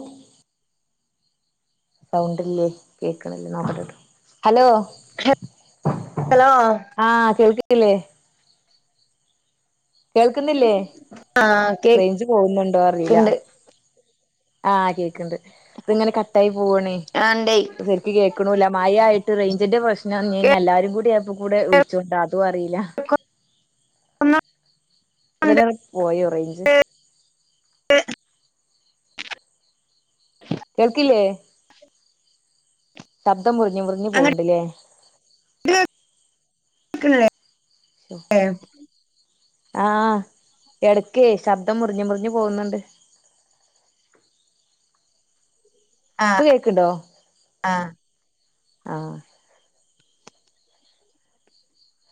ഉ സൗണ്ട്ല്ലേ കേക്ക്‌ണില്ലോ ന ഹലോ ഹലോ ആ കേൾക്ക്‌ ന്നില്ലോ കേൾക്ക്‌ന്നില്ലേ ആഹ് റൈഞ്ച് പോവുന്നുണ്ടോ അറീല കേക്ക്ണ്ട് ആ കേക്ക്‌ണ്ട് ഇത് ഇങ്ങനെ കട്ടായി പോവാണേ അ അന്തയ് കേക്ക്‌ണുല്ല മഴ ആയിട്ട് റെയിഞ്ചിന്റെ പ്രശ്നംഞ് ഇഞ് കേൾക്കുന്നുണ്ട് എല്ലാരും കൂടി ഒക്കെ കൂടെ വിൾച്ചോണ്ട അതു അറീല [unintelligible] പോയോ റൈഞ്ച് [unintelligible] കേൾക്ക്‌ല്ലേ ശബ്ദം മുർഞ് മുർഞ് അങ്ങട്ട് പോവ്ണ്ട് ലെ [unintelligible] ല്ലേ ഏ ആ എടക്കെ ശബ്ദം മുർഞ് മുർഞ് പോവ്ന്ന്ണ്ട് ഇപ്പ ആഹ് കേക്ക്‌ണ്ടോ ആഹ് ആ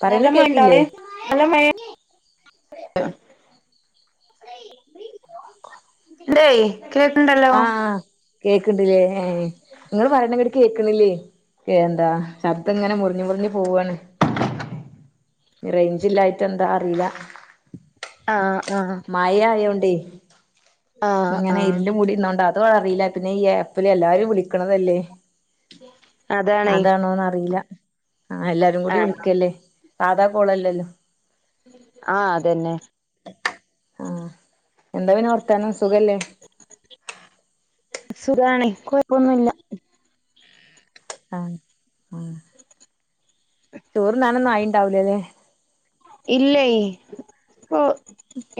പറയണ നല്ല മഴണ്ടോ കേക്കില്ലേ അവ്ടെ നല്ല മഴ [unintelligible] ണ്ടയ് കേക്ക്‌ണ്ടല്ലോ ആ കെക്ക്‌ണ്ട് ലെ ഏ ഇങ്ങള് പറിണെ ഇങ്ങട്ട് കേക്ക്‌ണില്ലേ എന്താ ശബ്ദം ഇങ്ങനെ മുർഞ് മുർഞ് പോവാണ് റെയിഞ്ച് ഇല്ലായിട്ട എന്താ അറീല ആ ആ മഴ ആയോണ്ടെ ആഹ് ഇങ്ങനെ ആഹ് ഇര് ന്റെ മൂടി ന്നോണ്ട അതു അറീല പിന്നെ ഈ ഏപ്പില് എല്ലാരും വിളിക്ക്‌ണതല്ലേ അതാണേ അതാണോന്ന അറീല അല്ലാരും കൂടി ആഹ് വിളിക്കല്ലേ സാദാ കോളല്ലല്ലോ ആ അതന്നെ ആ എന്താ പിന്നെ വർത്താനം സുഖല്ലേ സുഖാണ് ഇൻക്ക് കൊഴപ്പൊന്നുല്ല ആ ചോറ്ന്നാനൊന്നു ആയിണ്ടാവുല ലെ ഇല്ലേയ് ഇപ്പോ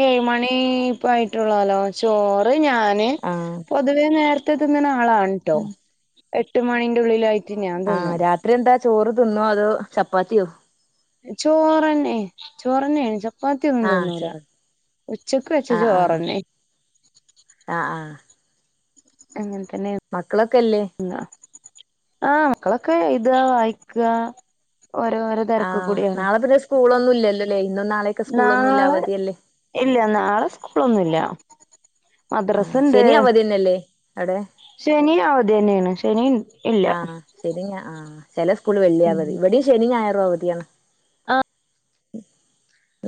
ഏയ് മണീ പ്പായിട്ടുള്ളല്ലോ ചോറ് ഞാന് ആഹ് പൊതുവേ നേരത്തെ തിന്നുന്ന ആളാണ് ട്ടോ എട്ട് മണിന്റെ ഉള്ളിലായിട്ട് ഞാൻ തിന്നും ഇത് എന്താ ചോറ് തിന്നോ അതോ ചപ്പാത്തിയോ ചോറന്നെ ചോറും നെയ് ചോ ചപ്പാത്തിയൊന്നും ആഹ് തിന്നൂല ചോറ് ഉച്ചക്ക് വെച്ച ആഹ് ആഹ് ചോറന്നെ ആഹ് ആഹ് അങ്ങനെ തന്നെയാ മക്കളൊക്കെ ഇല്ലേ ആഹ് മക്കളൊക്കെ എയ്തുവാ വായിക്കോക ഓരോരോ തിരക്ക് ആഹ് കൂടിയാണ് നാളെ പിന്നെ സ്കൂളൊന്നും ഇല്ലല്ലോലെ ഇന്നും നാളേം നാളെ ഇല്ല നാളെ സ്കൂളൊന്നുംല്ല ആഹ് മദ്രാസയുണ്ട് ശനി അവധിന്നെല്ലേ അവിടെ ശെനിം അവധി തന്നെയാണ് ശനിയും ആഹ് ശനി ഞാ ആഹ് ചെല സ്കൂള് വെള്ളി അവധി ഇവിടെയും ശനിം ഞായറും അവധിയാണ് ആഹ്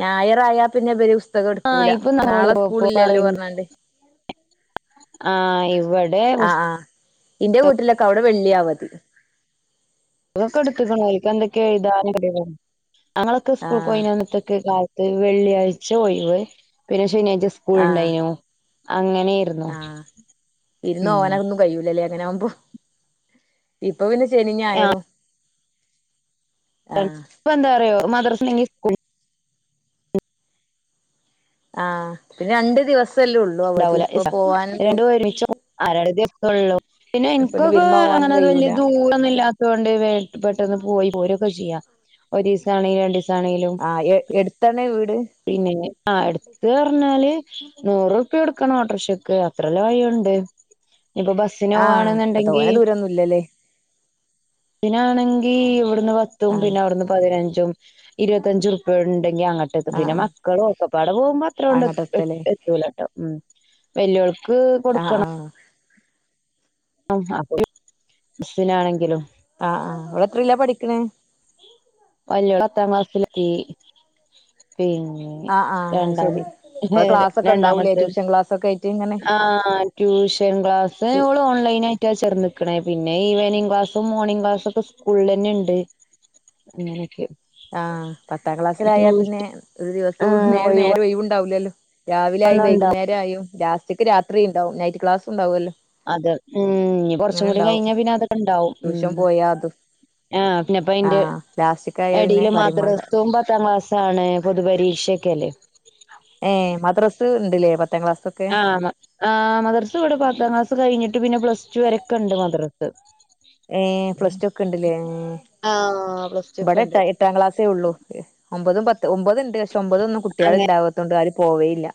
ഞായറായ പിന്നെ ഇവര് പുസ്തകം ആഹ് എടുക്കൂല ഇപ്പൊ നാളെ പ്പോ സ്കൂളില്ലല്ലോ പറയണ്ട് പറഞ്ഞാണ്ട് ആഹ് ഇവ ആഹ് ആഹ് ഇന്റെ വീട്ടിലൊക്കെ അവിടെ വെള്ളിയാ അവധി ഇതൊക്കെ എടുതേക്കണ് ഓൽക്ക് എന്തൊക്കെ എഴുതാനുണ്ട് പറഞ്ഞ് ഞങ്ങളൊക്കെ സ്കൂൾ ആഹ് കയിഞ്ഞിട്ട്ക്ക് കാല ത്ത് വെള്ളിയാഴ്ച ഒഴിവ് പിന്നെ ശനിയാഴ്ച സ്കൂൾ ആഹ് ഉണ്ടായിനോ അങ്ങനെ ആഹ് ഇരുന്നു ഓനതന്നും കഴിയൂലല്ലേ അങ്ങനെ ആവുമ്പോ ഇപ്പൊ പിന്നെ ശനിയും ഞായറും ആഹ് ചെൽപ്പോ എന്താറിയോ മദ്രസയില്ലങ്കി സ്കൂള് ആഹ് പിന്നെ രണ്ട് ദിവസല്ലേ ഉള്ളൂ അവധി ഉണ്ടാവൂല ഇപ്പൊ പോവാ രണ്ടും ഒരുമിച്ചോ ആഹ് രണ്ട് ദിവസൊള്ളല്ലോ പിന്നെ എനിക്കൊക്കെ വിരുന്ന് പോവാനും അങ്ങനൊരു വലിയ കഴിയൂല ദൂരൊന്നു ഇല്ലാ ത്തോണ്ട് പെട്ടന്ന് പോയി പോരുവൊക്കെ ചെയ്യാം ഒരൂസാണെങ്കിലും രണ്ടൂസാണെങ്കിലും ആഹ് എടുത്തന്നേ വീട് പിന്നെ ആഹ് അടുത്തന്ന് പറഞ്ഞാല് നൂറുപ്യ കൊടുക്കണം ഓട്ടോറിക്ഷക്ക് അത്രൊള്ള വഴിയുണ്ട് ഇപ്പൊ ബസ്സിന് ആഹ് ഇപ്പൊ പോവാണെന്നുണ്ടെങ്കി തോനെ ദൂരൊന്നും ഇല്ലല്ലേ നാണെങ്കി ഇവിടുന്ന് പത്തും ആഹ് പിന്നെ അവിടുന്ന് പതിനഞ്ചും ഇരുപത്തഞ്ചും ഉറുപ്യ ഉണ്ടെങ്കി അങ്ങട്ട് പിന്നെ ആഹ് മക്കളും ഒക്കെപ്പാട് പോകുമ്പോ അത്രോണ്ട് അങ്ങട്ട് എത്തല്ലേ എത്തൂലാട്ടോ ഉം വെല്യോൾക്ക് ആഹ് കൊടുക്കണം ആഹ് ആഹ് അപ്പോ ബസിനാണെങ്കിലും ആഹ് ആഹ് അവള്എത്രേലാ പഠിക്കണെ വല്യോള്പത്താം ക്ലാസ്സിലെത്തി പിന്നെ ആഹ് ആഹ് അത് രണ്ടാമ ശരി ഇപ്പൊ ക്ലാസ്സൊക്കെ ഉണ്ടാവൂലേ രണ്ടാമത്തെ ട്യൂഷൻ ക്ലാസ്സൊക്കെ ആയിട്ട് ഇങ്ങനെ ആഹ് ട്യൂഷൻ ക്ലാസ്സ് ഓള് ഓൺലൈനായിട്ട് ചേർന്നിക്കണെ പിന്നെ ഈവനിംങ് ക്ലാസ്സും മോർണിംഗ് ക്ലാസ്സൊക്കെ ഉള്ളന്നെ ഇണ്ട് അങ്ങനൊക്കെ ആഹ് പത്താം ക്ലാസ്സിലായാൽ പിന്നെ ഒരു ദിവസോം ആഹ് നേര് നേരും ഒഴിവൊന്നുണ്ടാ ഒയിവുണ്ടാവൂലല്ലോ രാവിലെ ആയും വൈകുന്നേരം ആയും ലാസ്റ്റക്ക് രാത്രി ഉണ്ടാവും നൈറ്റ് ക്ലാസ് ഉണ്ടാവുമല്ലോ അത് ഉം ഇനി അങ്ങനെ കൊറച്ചും കൂടി ഉണ്ടാവും കഴിഞ്ഞാ പിന്നെ അതൊക്കെ ഉണ്ടാവും ഉം ട്യൂഷൻ പോയാ അതും ആഹ് പിന്നിപ്പൊ അയിന്റെ ആഹ് ലാസ്റ്റ്ക്കായ എടി പിന്നെ പറയും മാണ്ട മദ്രസവും പത്താം ക്ലാസ്സ് ആണെ പൊതുപരീക്ഷൊക്കെ അല്ലേ ഏഹ് മദ്രസ് ഉണ്ടല്ലേ പത്താം ക്ലാസ് ആഹ് മ ആഹ് മദ്രസ് ഇവിടെ പത്താം ക്ലാസ് കഴിഞ്ഞിട്ട് പിന്നെ പ്ലസ് ടു വരെയൊക്കെ ഉണ്ട് മദ്രസ് ഏഹ് പ്ലസ് ടു ഒക്കെ ഉണ്ടല്ലേ ആഹ അവ ഇവിടെ എ എട്ടാം ക്ലാസേ ഉള്ളൂ ഒമ്പതും പത്ത് ഒമ്പത് ഉണ്ട് പക്ഷെ ഒമ്പത് ഒന്നും കുട്ടികൾ ഉണ്ടാകാ ത്തോണ്ട് ആരും പോവേയില്ല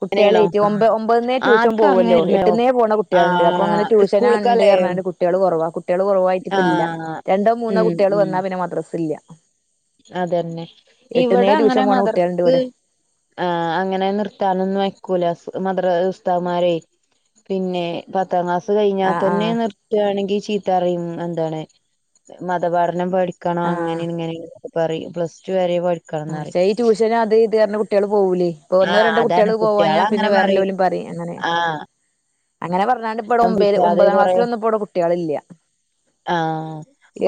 കുട്ടികൾ അങ്ങനെയാണോ ഒ ഒമ്പതിന്നേ ട്യൂഷൻ ആദ്യൊക്കെ പോവോല്ലോ അങ്ങനെയായിരുന്നോ എട്ട്ന്നേപോണ കുട്ടികളുണ്ട് അപ്പൊ അങ്ങനെ ആഹ് ട്യൂഷന സ്കൂൾക്കല്ലേ ണ്ട്ഞ്ഞാണ്ട് കുട്ടികള് കൊറവാ കുട്ടികൾ കൊ റവായിട്ട് ഇപ്പ ഇല്ല ആഹ് രണ്ടോ മൂന്നോ ഉം കുട്ടികൾ ഉം വന്നാ പിന്നെ മദ്രസ ഇല്ല അതന്നെ എട്ട്ന്നേ ഇവിടെ അങ്ങനെ ട്യൂഷൻ പോണ കുട്ട്യാള്ണ്ട് മദർക്ക് ഇവടെ ആ അങ്ങനെ നിർത്താനൊന്നും വയ്ക്കൂല മദറ ഉസ്താദമ്മാരെ പിന്നെ പത്താം ക്ലാസ് കഴിഞ്ഞാൽ ആഹ് തന്നെ ആഹ് നിർ ത്തയാണെങ്കിൽ ചീത്ത അറിയും എന്താണ് മതപാഠനം പഠിക്കണം അങ്ങനേണ് ആഹ് ഇങ്ങനേണ് പറയും പ്ലസ് ടു വരെ ആ പഠിക്കണംന്ന് പറയും പക്ഷെ ഈ ട്യൂഷന് അത് ഇത് പ റഞ്ഞ് കുട്ടികൾ പോവൂലെ ഇപ്പൊ ഒന്നോ ആഹ് രണ്ടോ അതാണ് കുട്ടികൾ കുട്ടികള പോവാഞ്ഞാ പിന്നെ അങ്ങനെ വേറെ പറയും എല്ലോലും പപറയും അങ്ങനെ ആഹ് അങ്ങനെ പറഞ്ഞാണ്ട് ഇപ്പ ഇടെ ഒമ്പല് പഠിക്കാതെ ഒമ്പതാം കൊറെ ക്ലാസിൽന്നും ഇപ്പൊ ഇടെ കുട്ടികളില്ല്യ ആഹ്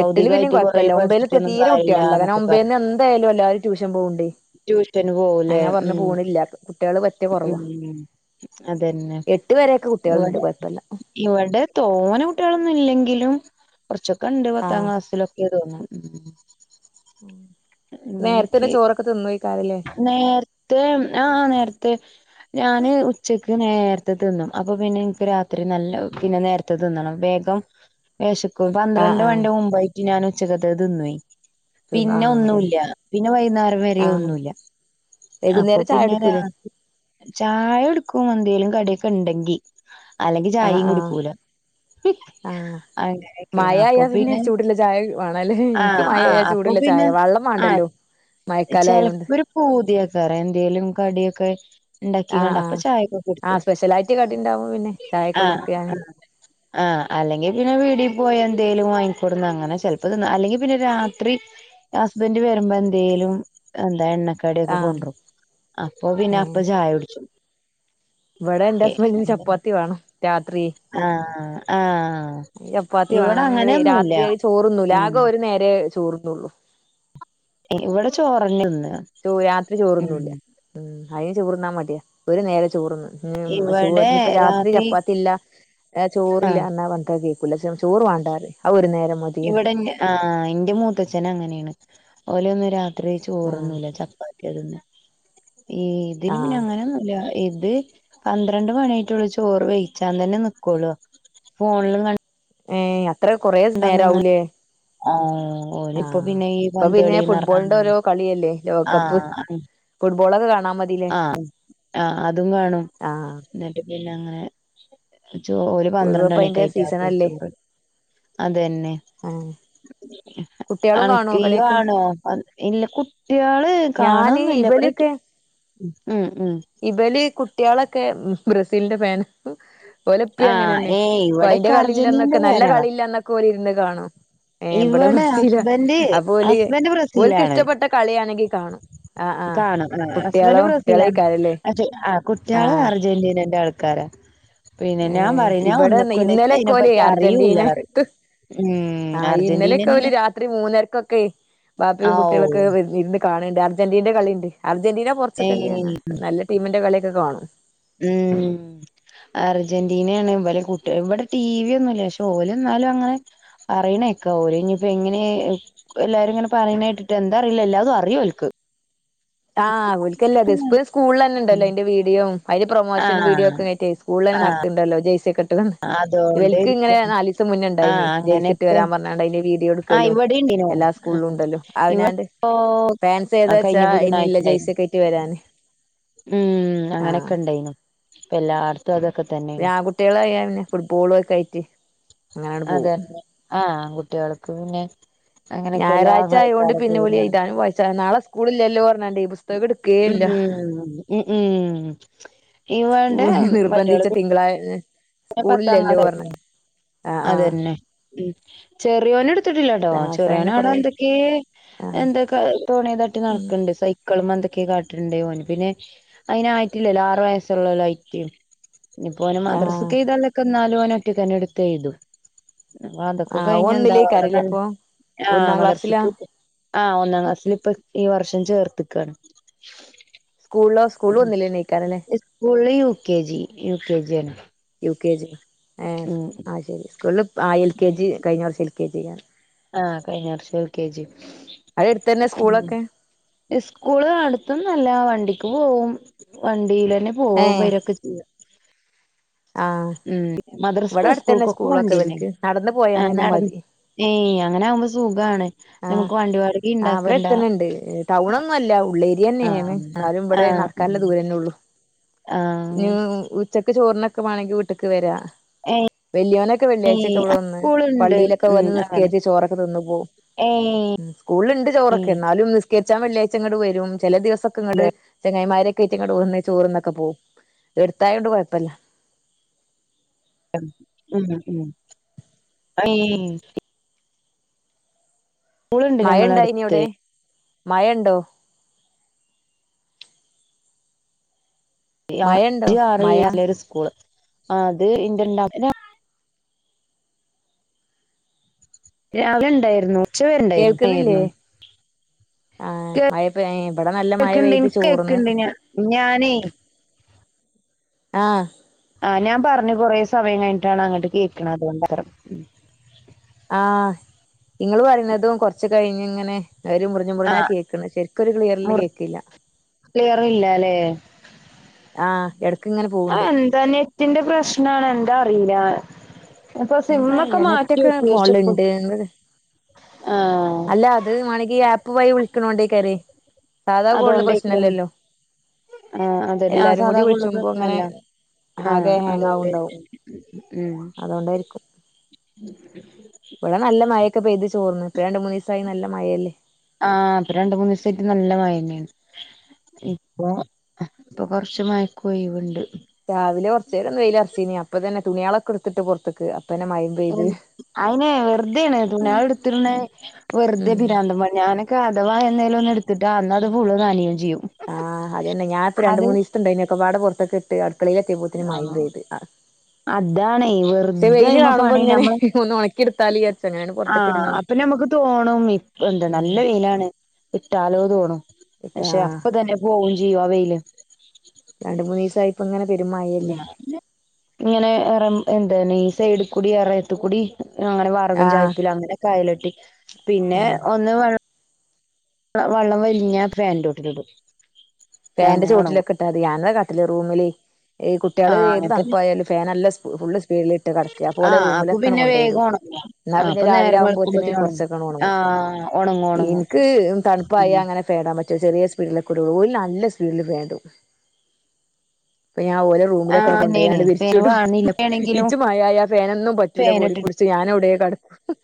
എട്ടില് പിന്നും ഭൗതികമായിട്ട് കൊറെ കൊഴപ്പല്ല ഒമ്പൈല് പഠിച്ചിട്ടൊന്നും തീരെ കാര്യല്ല കുട്ടികളില്ല കാരെ എന്നൊക്കെ ഒമ്പൈൽ പറയും നിന്ന് എന്തായാലും എല്ലാരും ട്യൂഷൻ പോവുണ്ട് ട്യൂഷന് പോവൂലേ അങ്ങനെ ഉം പറഞ്ഞപോണില്ല കുട്ടികള് പറ്റിയ കൊറവാ ഉം അതന്നെ എട്ട് വരെക്കെ കുട്ട്യാളുണ്ട് കുഴപ്പല്ല ഇവടെ തോന കുട്ടികളൊന്നും ഇല്ലെങ്കിലും കൊറച്ചൊക്കെ ണ്ട് പത്താം ആഹ് ക്ലാസ്സിലൊക്കെ തോന്നും ഇങ്ങനെയൊക്കെ ന്നോ കാര്യില്ല നേർത്തെ ആഹ് നേർത്തെ ഞാന് ഉച്ചക്ക് നേരത്തെ തിന്നും അപ്പൊപിന്നെ എനിക്ക് രാത്രി നല്ല പിന്നെ നേരത്തെ തിന്നണം വേഗം വെശക്കും ആഹ് പന്ത്രണ്ട് ആഹ് മണിന്റ മുമ്പായിട്ട് ഞാൻ ഉച്ചകത്തത് തിന്നുവേ തിന്ന് പിന്നെ ആഹ് അതന്നെ ഒന്നൂല്ല പിന്നെ വൈകുന്നേരം വരെ ആഹ് ഒന്നൂല്ല അപ്പൊ വൈകുന്നേരം ചായ പിന്നെ രാ കുടിക്കൂലേ ചായ എടുക്കുംമ്പൊ എന്തേലും കടിയൊക്കെ ണ്ടെങ്കി അല്ലെങ്കി ആഹ് ചായയും ആഹ് കുടിക്കൂല അങ്ങനെ മഴ ആയാ പിന്നെ ചൂടുള്ള ചായ വേണോല്ലെ ആ എനിക്ക് ആ മഴായ അപ്പൊ ചൂടള്ള ചായ പിന്നെ വെള്ളം വേണ്ടല്ലോ മയക്കാലായോണ്ട് പൂതിയൊക്കറ എന്തേലും കടിയൊക്കെ ഉണ്ടാക്കി ആഹ് കൊണ്ട അപ്പൊ ആഹ് ചായൊക്കെ കുടിക്കും ആഹ് സ്പെഷ്യലായിട്ട് കടി ഉണ്ടാവും പിന്നെ ചായൊക്കെ ആഹ കുടിക്കാന് ആ അല്ലെങ്കിൽ പിന്നെ പീടിൽ പോയി എന്തേലും വാങ്ങിക്കൂടുന്ന അങ്ങനെ ചെലപ്പോ തിന്ന അല്ലെങ്കി പിന്നെ രാത്രി ഹസ്ബന്റ് വരുമ്പൊ എന്തേലും എന്താ എണ്ണ കടിക്കെ ആഹ് കൊണ്ടും അപ്പൊ പിന്ന അപ്പ ഏഹ് ചായടിച്ചു ഇവിടെ എന്റെ ഹസ്ബന്റിന് ചപ്പാത്തി വേണം രാത്രി ആഹ് ആഹ് ചപ്പാത്തി ഇവിടെ വേണം അങ്ങനെ അങ്ങനെയൊന്നുല്ല രാത്രിആയ് ചോറുണ്ണൂല ഉം ആകെ ഒരു നേരെ ചോറുണ്ണൂള്ളൂ ഇവിടെ ചോറെണെ തിന്യ ചോ രാത്രി ചോറുണ്ണൂല്ല ഉം അയ്ന് ചോറുണ്ണാമടിയ ഒരു നേരെ ചോറുണ്ണൂ ശോ നി ഇപ്പ രാത്രി ചപ്പാത്തി ഇല്ല ചോറില്ല ആഹ് എന്നാ പറഞ്ഞേക്കണേ പുസ ചോറ് വാണ്ട അത് ഒരു നേരംമതി ഇവിടെ ആ എന്റെ മൂത്തച്ഛന ങ്ങനേ ണ് ഓലൊന്നും രാ ത്രി ആഹ് ചോറുണ്ണൂലചപ്പാത്തിയാ തിന്നണെ അതിന് പിന്നെ ആഹ് അങ്ങനൊന്നൂല്ല ഇ ത് പന്ത്രണ്ട് മണി ആയിട്ടുള്ളൂ ചോറ് വേവിച്ചാ തന്നെ നിക്കോള്ളൂ ഫോണിലും കളി ഏ അത്ര കൊറേ നേര ആവൂലേ ആ ഓനിപ്പോ ആഹ് പിന്നെ ഈ ഇപ്പൊ പന്ത് പിന്നെ കളിന്ന് പറഞ്ഞ ഫുട്ബോളിന്റെ ഓരോ കളിയല്ലേ ആ ലോകകപ്പ് ഫുട്ബോളൊക്കെ കാണാ മതി ആഹ് ആ അതും കാണും ആഹ് ന്നിട്ട് പിന്നെ അങ്ങനെ ഒരു പൊതുവെ പന്ത്രണ്ട് ഇപ്പ മണിക്കെ അയിന്റെ ആയിട്ടാ സീസണല്ലേ പോയ്തോര് അത് തന്നെ ആഹ് ആ കുട്ടികളും കാണോ ടിവി കളിയൊക്കെ കാണും ആഹ് ഇല്ല കുട്ടികള് ഞാന് കാണുവൊന്നുമില്ല പറയും ഉം ഉം ഇവല് കുട്ടികളൊക്കെ ബ്രസീലിന്റെ ഫാനാ ഓല് ആ എപ്പഴും അങ്ങനെ തന്നെയാ ഏയ് അപ്പൊ അയിന്റെ ഇവിടൊക്കെ കളി ഇല്ലാനൊക്കെ അർജന്റീനന്റെ നല്ല ഫാനാളാ കളിയില്ലന്നൊക്കെ ഓല ഇരുന്ന് കാണും ഏ ഇവിടെ ബ്രസീല ഹസ്ബന്റ് അപ്പൊ ഓല് ഹസ്ബന്റ് ഓലക്ക് ബ്രസീലാണ് ഇഷ്ടപ്പെട്ട കളിയണെങ്കിൽ- കാണും ഹസ്ബൻഡ് ബ്രസിലാണ് കുട്ടികളേക്കാരല്ലേ ആ കുട്ടികള് അറി- ജെന്റീനന്റെ ആൾക്കാരാ പിന്നെ ഏ ഞാൻ പറയും ഞാൻ ഇവിടെ ഒന്ന്ക്കൂല ഇച്ച് ഇന്നാലെ മൊതല് അയിനെപ്പറ്റി അറിയൂല്ല അർജന്റീന പറയും ഉം ആഹ് ഇന്നലെയൊക്കെ ഇവര് അർജന്റീനന്നെ രാത്രി മൂന്നരക്കൊക്കെ ആ ബാപ്പയും ഓ കുട്ടികളൊക്കെ ഇ- കാണണ്ട് അർജന്റിന് കളിയുണ്ട് അർജന്റീന കൊറച്ചു കളിയാണ് ഏയ് നല്ല ടീമിന്റെ കളിയൊക്കെ കാണും ഉം അർജന്റീനയാണ് ഇവര് കുട്ടികള് ഇവിടെ ടി വി ഒന്നുയില്ല പക്ഷെ ഓല് എന്നാലും അങ്ങനെ- പറയണകേക്ക് ഓല് ഇനിപ്പോ എങ്ങനെ- എല്ലാരുയിങ്ങനെ പറയണ കേട്ടിട്ട് എന്താറില്ല എല്ലാവതും അറിയോ ഇവൽക്ക് ആഹ് ഇവൾക്ക് എല്ലാംറിയാം ഇപ്പഴും സ്കൂളിൽ തന്നെ ഒണ്ടല്ലോ ഉം അതിന്റെ വീഡിയോ അതില് ആ പ്രൊമോഷും വീഡിയൊ ഒക്കെ ആയിട്ടേ സ്കൂളിതന്നെ നടത്തട്ടണ്ടല്ലോ ജെയ്‌സിക്കെയിട്ട് അങ്ങനെ ഇവലക്ക് ഇങ്ങനെ അതോണ്ടായിരിക്കും നാല് ദെവസം ആ മുന്നെയുണ്ടായിനി ജെയ്‌സിയിട്ട് അങ്ങനെയൊക്കെ വരാൻ പറഞ്ഞാണ്ട് അന്റെ വീഡി - ആ കൊടുക്കുമല്ലോ ഇവിടേം ഇണ്ടേനു എല്ലാം സ്കൂളിലിലും ഒണ്ടല്ലോ ഇവ അതിനാന്റ ഇപ്പോ പാൻസ്‌ ആ ഏതാ കഴിഞ്ഞ വെച്ചാ - ഇന്ന് ബുധനാഴ്ച ഇല്ല ഉണ്ടായിനു ജെയസി ഒക്കെയിട്ട് വരാന് ഉം ആഹ് അങ്ങനൊക്കെ ഉണ്ടായിനു ഇപ്പ എല്ലായിടത്തും അതൊക്കെ തന്നെയാണ് കുട്ടികളായ പിന്നെ ഫുട്ബോളുംക്കെ ആയിട്ട്- അങ്ങനെയാണ് അതെ പോകും ആഹ് ആൺകുട്ടികൾക്ക് പിന്നെ- അങ്ങനെയൊക്കെ എല്ലാ ഞായറാഴ്ച ആയൊണ്ട് കളിക്കാരെ പിന്നെ പേരും ഇവിടെ അറിയാം എഴുതാനും വായിച്ചാനും നാളെ സ്കൂള് ഇല്ലോല്ലോ പറഞ്ഞാണ്ട് ഈ പുസ്തകം എടുക്കുകയെയില്ല ഉം ഉം ഉം ഇവിടെ വേ [unintelligible] ണ്ട മറ്റ തിങ്കളായി- പത്താം അതെ ആഹ് ആഹ് അത്തന്നെ ചെറിയോന് എടു- ത്തിട്ടില്ല കേട്ടോ പത്താം ക്ലാസ്സായോണ്ട് ചെറിയനാടോ കൊറേ എന്തൊക്കെ ആഹ് എന്തൊക്കെ തുണിതട്ടി ഉം നടക്കണ്ട് ക്കൾമ്മെ എന്തൊക്കെ കാട്ട്ണ് ഇണ്ട് ഓൻ പിന്നെ അയിന് ആയിറ്റ് ഇല്ലല്ലോ? ആറ് വയസ്സൊ ഒള്ളൊല്ലോ ആയിറ്റ്. ഇനിയിപ്പ ഓന് ആഹ് മാദ്രസക്കെ ഇ്തല്ലൊ [unintelligible] ക്കെ നാല ന ഒറ്റക്കനെടുത്ത് ചെയ്തു അപ്പ അതൊക്കെ ആഹ് കഴിഞ്ഞ ഓൻ എന്താ അവിടെ ഒന്നിലേക്കാരല്ലേ ഇപ്പൊ ആഹ് ഒന്നാം ക്ലാസ്സിലാ മദർസക്ക്- ആഹ് ഒന്നാം ക്ലാസ്സിൽ ഇപ്പൊ ഈ വർഷം ചേർത്തിക്കയാണ് school school U K G U K ജിയാണ് യു കെ ജി ആ ശരി സ്കൂള ആ എൽ കെ ജി കഴിഞ്ഞ പ്രാവിശ്യം എൽ കെ ജിണ് ആഹ് കഴിഞ്ഞ വർഷം യു കെ ജി അവിടെ അടുത്ത് തന്നെ സ്കൂളൊക്കെ സ്കൂള് അടുതൊന്നുയല്ല വണ്ടിക്ക് പോകവും വണ്ടിയില് തന്നെ പോകും ഏഹ് വരൊക്കെ ചെയ്യാം ആഹ് ഉം മത- ഇവിടെ അടുത്ത തന്നെ സ്കൂളൊക്കെ ഇവക്ക് നടന്നു ആഹ് പോയാനന്നെ നടന്ന് മതി ഏയ് അങ്ങനെ ആകുമ്പോ സുഖാണ് ആഹ് നമുക്ക് വണ്ടി വാടക ആ ഇവിടെ ഇണ്ടാക്കണ്ട അടുത്ത് തന്നെയുണ്ട് ടൗൺയൊന്നും അല്ല ഉള്ളേരിയ തന്നെയാണ് ആഹ് എന്നാലും ഇവിടെ നട- ആഹ് നടക്കാനുള്ള ദൂരെയെല്ലേ ഉള്ളൂ ആഹ് ഉച്ചക്ക് ചോറിനൊക്കെ വേണേല് വീട്ടിക്ക് വരിക ഏഹ് വെല്ലിയോനൊക്കെ വെള്ളിയാഴ്ചൊക്കെ ഇവിടെ വന്ന് സ്കൂളുണ്ട് പള്ളിയിലൊക്കെ ഉം വന്ന് അങ്ങനെ നിസ്കരിച്ച് ചോറൊക്കെ തിന്ന് പോവും. ഏയ് സ്കൂളിലുണ്ട് ചോറൊക്കെ ഉം എന്നാലും നിസ്കരിച്ചാ വെള്ളിയാഴ്ച ഇങ്ങട്ട് വരും ചെല ദിവസക്കെ ഇങ്ങട്ട് ചെങ്ങായിമാരെ സ്കരിച്ചിങ്ങോട്ട് പോ ചോറ് തിന്നൊക്കെ പോവും. അടുത്തായത് കൊണ്ട് കുഴപ്പമില്ല. ഉം ഉം അയ് സ്കൂളുണ്ട് മയ ഉണ്ടായി ഇനി ഞങ്ങളടുത്ത് അവിടെ മയയുണ്ടോ അ മഴ ഇണ്ടോ ആറ് മഴ ല്ല ഒരു സ്കൂള് അത് ഇണ്ട് ണ്ടാ [unintelligible] രാവിലെ ഇണ്ടായിരുന്നു ഉച്ചവരെണ്ടായി മഴ കേൾക്കുന്നില്ലേ ആയിരുന്നു. ആഹ് കേ മഴ പെ ഇവിടെ നല്ല മഴ കേക്കണ്ട് പെയ്ത് ഇനിക്ക് ചോർന്ന് കേക്കണ്ട് ഞാൻ ഞാനേ ആഹ് ആഹ് ഞാൻ പറഞ്ഞ് കൊറെ സമയം കഴിഞ്ഞിട്ടാണ് അങ്ങട്ട് കേക്കണത് [unintelligible] ഉം. ആഹ് ഇങ്ങള് പറയുന്നതും കൊറച്ച് കഴിഞ്ഞ് ഇങ്ങനെ ഒര് മുറി മുറിഞ്ഞ് മുറിഞ്ഞാ ആഹ് കേക്കണെ ശരിക്ക് ഒരു ക്ലിയറില് കേക്കില്ല. ക്ലിയർ ഇല്ലാല്ലേ? ആഹ് എടക്ക് ഇങ്ങനെ പോവുണ്ട്. ആഹ് നെറ്റിന്റെ പ്രശ്നാണ് എന്താ അറീല്ല. അപ്പൊ എന്താ സിമ്മൊക്കെ അറിയില്ല നെറ്റൊക്കെ മാറ്റിയോക്കി പക്ഷെ ഫോണില്ണ്ട് [unintelligible] ആഹ് അല്ല അത് മാണെങ്കി ഈ ആപ്പ് വഴി വിളിക്കണോണ്ടായിക്കാരെ സാധാ കോളിന് അതോണ്ടേക്കും പ്രശ്നല്ലല്ലോ? ആഹ് അതെന്നെ ആഹ് എല്ലാരും കൂടി സാധാകോളിന് വിളിച്ചുമ്പോ ഇങ്ങനെ പ്രശ്നല്ല. ആഹ് ആകെ ഹാങ് ആവ്ണ്ടാവും അത്കൊണ്ടായിരിക്കും ഉം അതോണ്ടായിരിക്കും ഇവിടെ നല്ല മഴയൊക്കെ പെയ്ത് ചോർന്ന് ഇപ്പൊ രണ്ട് മൂന്ന് ദിവസായി നല്ല മഴയല്ലേ. ആഹ് ഇപ്പൊ രണ്ടു മൂന്ന് ദിവസായിട്ട് നല്ല മഴെന്നെയാണ്. ഇപ്പൊ ഇപ്പൊ കൊറച്ച് മയക്ക് ഒഴിവുണ്ട്. രാവിലെ കൊറച്ചേരം ഒന്ന് വെയിൽ അറച്ചീനി അപ്പൊ തന്നെ തുണിയാളെക്കെ എടുത്തിട്ട് പൊറത്ത്ക്ക് അപ്പൊ തന്നെ മയേം അയിനെ വെറുതെയാണ് തുണിയാള് എടുത്തിടണേ ഉം വെറുതെയാണ് രണ്ടും പണി ഞാന് ക്കെ അഥവാ എന്തേലും ഒന്ന് എടുത്തിട്ടാ അന്ന് അത് ഫുളള് നനയോം ചെയ്യും അത് ണ്ടായിനി ഒക്കെ പാടെ പൊറത്തക്ക്ട്ട് അടുക്കളേല് എത്തിയപ്പോത്തിന് മഴയും പെയ്ത് അ അതാണേ പക്ഷെ വെറുതെ വെയില് അയ്മെ കാണുമ്പോ പണി ഇങ്ങനെ നമ്മള് ഒന്ന് ഒണക്കി എടുത്താല് വിചാരിച്ച് അങ്ങനെയാണ്ട് പൊറത്തേക്ക് ഇടുന്നതാ അപ്പ ഞമ്മക്ക് തോണും ഇപ് എന്താ നല്ല വെയിലാണ് ഇട്ടാലോ തോണും ഇട്ടാ പക്ഷെ അപ്പ തന്നെ പോവും ചെയ്യും ആ വെയില്. രണ്ടു മൂന്ന് ദിവസായി ഇപ്പ ഇങ്ങനെ പെരുമയേം ഇങ്ങനെ റെ എന്തേനി സൈഡി കൂടി എറെത്ത്കൂടി അങ്ങനെ വറകും ആഹ് ചായപ്പില് അങ്ങനെക്കെ അയലെട്ടി പിന്നെ ആഹ് ഒന്ന് വെള്ള് വെള്ളം വലിഞ്ഞാ ഫാനിന്റെ ചോട്ടില് ഇടും ഫാനിന്റെ ചോട്ടിലൊക്കെ ഇട്ടാ മതി ഞാനതാ കട്ടില് റൂമില് ഈ കുട്ട്യേള് ആഹ് ഏത് അങ്ങൻത്തന്നെ തണുപ്പായാലും ഫാൻ നല്ല സ് ഫുള്ള് സ്പീഡിൽ ഇട്ടാ കെടക്കാ അപ്പോ ഓലെ ആഹ് അപ്പൊ റൂമിലെക്കാണ് പിന്നെ വേഗം കൊണ്ടോയിടും. ഒണങ്ങും എന്നാ ആഹ് പിന്നെ അപ്പൊ രാവിലെ നേരം ആവുമ്പോത്തന് വെളുക്കുമ്പത്തിന് കൊറച്ചൊക്കെ ഒണങ്ങും ആഹ് ഒണങ്ങും ഒണങ്ങും ഇന്ക്ക് തണുപ്പായ ഉം അങ്ങനെ ഫാൻ ഇടാൻപറ്റുല്ല ചെറിയ സ്പീഡിലെക്കെടു ഓല് നൽ നല്ല സ്പീഡില് ഫാൻ ഇടും അപ്പ ഞാൻ ഓലെ റൂമിലൊക്കെ ആഹ് അങ്ങ് തന്നേണ് കൊണ്ടോയാണ്ട് ഫാന് വിരിച്ചിട്ടും വാണന്നില്ല ഇപ്പേണെങ്കിലും ഇച്ച് മയയായ ഫാനൊന്നു പറ്റൂല ഫാനിട്ട് [unintelligible] ച്ച് ഞാൻ. എവിടെ കെടക്കും.